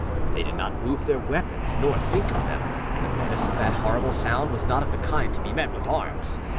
They did not move their weapons nor think of them; the menace of that horrible sound was not of the kind to be met with arms.